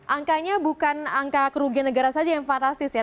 angkanya bukan angka kerugian negara saja yang fantastis ya